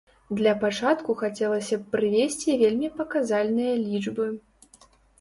Для пачатку хацелася б прывесці вельмі паказальныя лічбы.